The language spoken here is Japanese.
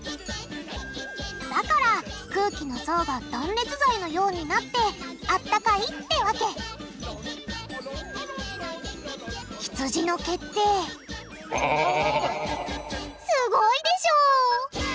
だから空気の層が断熱材のようになってあったかいってわけひつじの毛ってすごいでしょ！